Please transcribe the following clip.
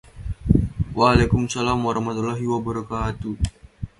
In the Ashkenazic tradition, it begins on the Saturday night before Rosh Hashanah.